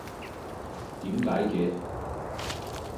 點解嘅？